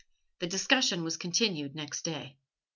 The discussion was continued next day.